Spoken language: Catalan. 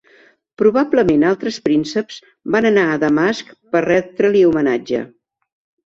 Probablement altres prínceps van anar a Damasc per retre-li homenatge.